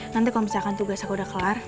nanti kalau misalkan tugas aku udah kelar